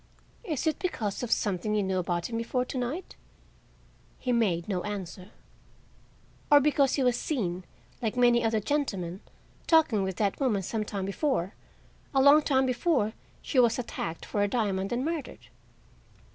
"Is it because of something you knew about him before to night?" He made no answer. "Or because he was seen, like many other gentlemen, talking with that woman some time before—a long time before—she was attacked for her diamond and murdered?"